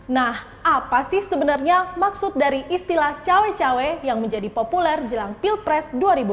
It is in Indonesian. nah apa sih sebenarnya maksud dari istilah cawe cawe yang menjadi populer jelang pilpres dua ribu dua puluh